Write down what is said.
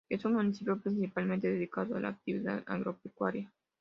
Es un municipio principalmente dedicado a la actividad agropecuaria.